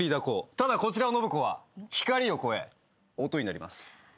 ただこちらの信子は光を超え音になります。